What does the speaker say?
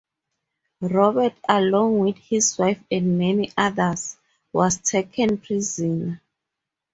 Robert, along with his wife and many others, was taken prisoner.